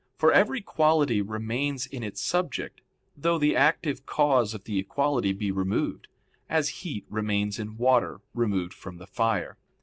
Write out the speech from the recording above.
For every quality remains in its subject, though the active cause of the quality be removed, as heat remains in water removed from the fire.